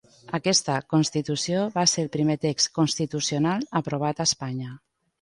Aquesta constitució va ser el primer text constitucional aprovat a Espanya.